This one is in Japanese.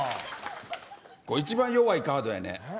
これ一番弱いカードやね。